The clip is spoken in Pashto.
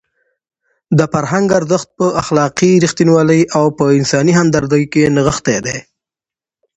د فرهنګ ارزښت په اخلاقي رښتینولۍ او په انساني همدردۍ کې نغښتی دی.